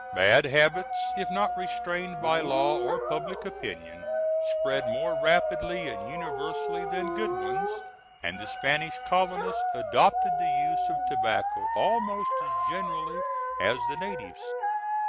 Bad habits if not restrained by law or public opinion spread more rapidly and universally than good ones, and the Spanish colonists adopted the use of tobacco almost as generally as the natives.